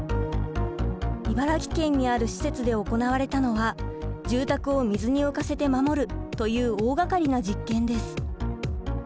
茨城県にある施設で行われたのは住宅を水に浮かせて守るという大がかりな実験です。